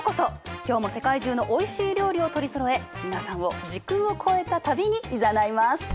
今日も世界中のおいしい料理を取りそろえ皆さんを時空を超えた旅にいざないます！